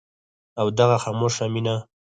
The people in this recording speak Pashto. او دغه خاموشه مينه